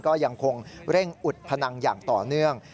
ก็ยังคงเร่งอุดพนังอย่างต่อเนื่อง